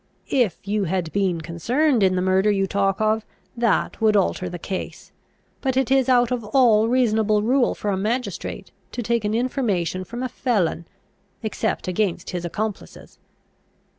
If you had been concerned in the murder you talk of, that would alter the case. But it is out of all reasonable rule for a magistrate to take an information from a felon, except against his accomplices.